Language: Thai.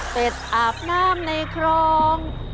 เต็ดอาบน้ำในครอง